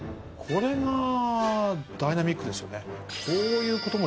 これがダイナミックですよね。